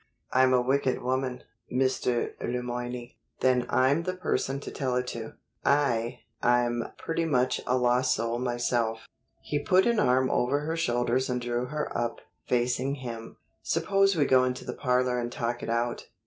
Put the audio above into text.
"I'm a wicked woman, Mr. Le Moyne." "Then I'm the person to tell it to. I I'm pretty much a lost soul myself." He put an arm over her shoulders and drew her up, facing him. "Suppose we go into the parlor and talk it out.